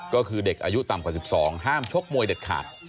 ก็คือเด็กอายุต่ำกว่า๑๒ห้ามชกมวยเด็ดขาด